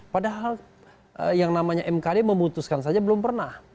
padahal yang namanya mk ini memutuskan saja belum pernah